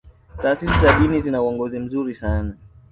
taasisi za dini zina uongozi mzuri sana